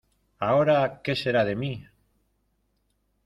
¡ ahora qué será de mí!...